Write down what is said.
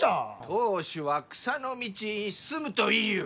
当主は草の道に進むと言いゆう！